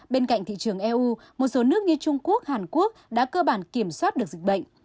bên cạnh thị trường eu một số nước như trung quốc hàn quốc đã cơ bản kiểm soát được dịch bệnh